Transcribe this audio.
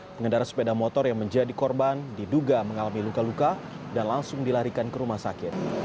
pengendara sepeda motor yang menjadi korban diduga mengalami luka luka dan langsung dilarikan ke rumah sakit